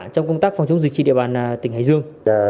trong công tác phòng chống dịch trên địa bàn tỉnh hải dương